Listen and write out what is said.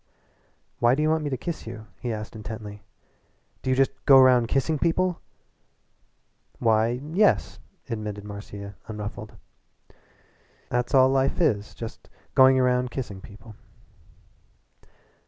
"Why do you want me to kiss you?" he asked intently, "Do you just go round kissing people?" "Why, yes," admitted Marcia, unruffled. "'At's all life is. Just going round kissing people."